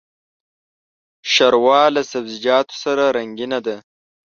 ښوروا له سبزيجاتو سره رنګینه ده.